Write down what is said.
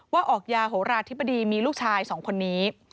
ว่าออกยาโหราธิบดีมีลูกชาย๒คนนี้